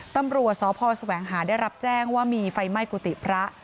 ตำรวจสพแสวงหาได้รับแจ้งว่ามีไฟไหม้กุฏิพระ